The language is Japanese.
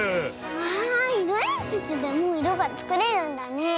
わあいろえんぴつでもいろがつくれるんだね。